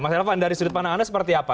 mas elvan dari sudut pandang anda seperti apa